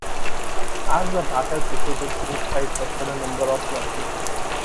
As the battle proceeded, both sides suffered a number of losses.